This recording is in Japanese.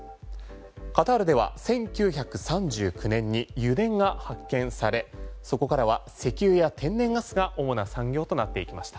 カタールでは１９３９年に油田が発見され、そこからは石油や天然ガスが主な産業となっていきました。